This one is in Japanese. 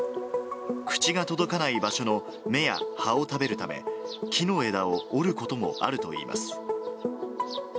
口が届かない場所の芽や葉を食べるため、木の枝を折ることもあるといいます。